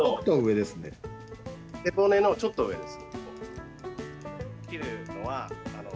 背骨のちょっと上です。